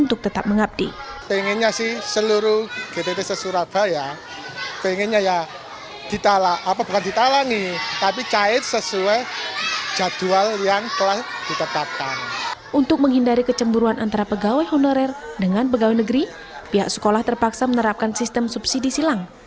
untuk tetap menghindari kecemburuan antara pegawai honorer dengan pegawai negeri pihak sekolah terpaksa menerapkan sistem subsidi silang